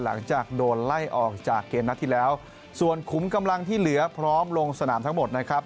หลังจากโดนไล่ออกจากเกมนัดที่แล้วส่วนขุมกำลังที่เหลือพร้อมลงสนามทั้งหมดนะครับ